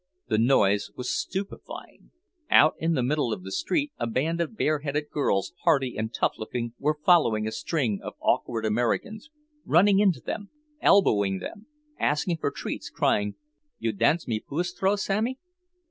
The noise was stupefying. Out in the middle of the street a band of bareheaded girls, hardy and tough looking; were following a string of awkward Americans, running into them, elbowing them, asking for treats, crying, "You dance me Fausse trot, Sammie?"